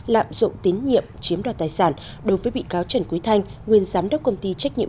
lạm dụng tín nhiệm chiếm đoạt tài sản đối với bị cáo trần quý thanh nguyên giám đốc công ty trách nhiệm